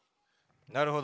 なるほど。